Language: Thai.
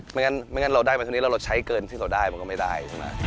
ไม่งั้นเราได้มาเท่านี้เราใช้เกินที่เราได้มันก็ไม่ได้